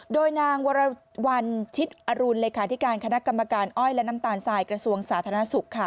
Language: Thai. โดยนางวรวันชิดอรุณเลขาธิการคณะกรรมการอ้อยและน้ำตาลทรายกระทรวงสาธารณสุขค่ะ